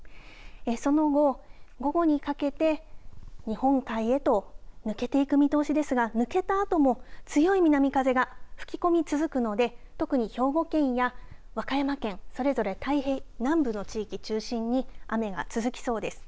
その後、午後にかけて日本海へと抜けていく見通しですが抜けたあとも強い南風が吹き込み続くので特に兵庫県や和歌山県、それぞれ南部の地域中心に雨が続きそうです。